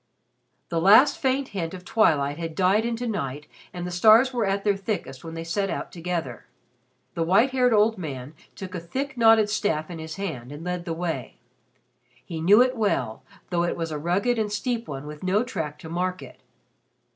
The last faint hint of twilight had died into night and the stars were at their thickest when they set out together. The white haired old man took a thick knotted staff in his hand and led the way. He knew it well, though it was a rugged and steep one with no track to mark it.